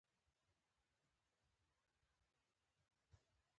کرمي د فتح خان بړيڅ ملګری و او تل یې ستونزې پيدا کولې